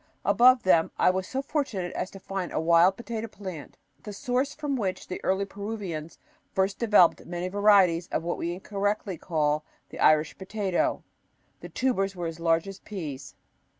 Above them I was so fortunate as to find a wild potato plant, the source from which the early Peruvians first developed many varieties of what we incorrectly call the Irish potato. The tubers were as large as peas.